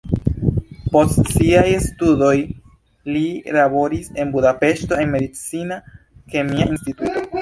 Post siaj studoj li laboris en Budapeŝto en medicina kemia instituto.